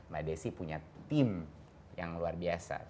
mbak desi punya tim yang luar biasa